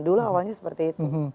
dulu awalnya seperti itu